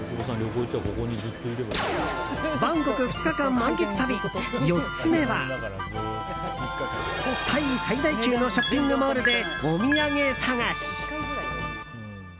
バンコク２日間満喫旅４つ目はタイ最大級のショッピングモールでお土産探し。